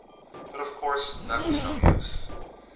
But, of course, that was no use.